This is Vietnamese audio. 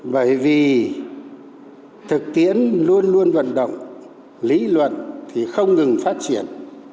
bởi vì thực tiễn luôn luôn vận động lý luận thì không ngừng phát triển